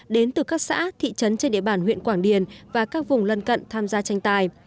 đến từ các xã thị trấn trên địa bàn huyện quảng điền và các vùng lân cận tham gia tranh tài